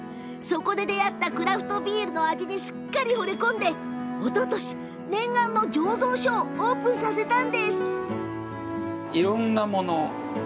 そこで出会ったクラフトビールの味にほれ込んでおととし、念願の醸造所をオープンさせました。